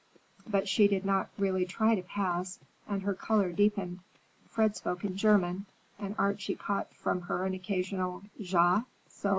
But she did not really try to pass, and her color deepened. Fred spoke in German, and Archie caught from her an occasional _Ja?